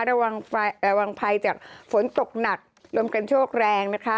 ระวังระวังภัยจากฝนตกหนักลมกันโชคแรงนะคะ